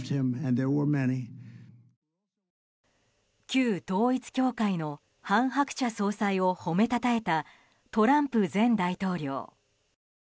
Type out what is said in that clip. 旧統一教会の韓鶴子総裁を褒めたたえたトランプ前大統領。